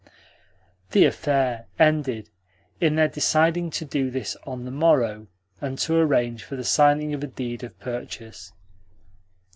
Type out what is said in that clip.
The affair ended in their deciding to do this on the morrow, and to arrange for the signing of a deed of purchase.